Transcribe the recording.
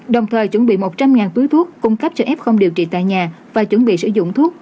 đồng thời chuẩn bị một trăm linh túi thuốc cung cấp cho f không điều trị tại nhà và chuẩn bị sử dụng thuốc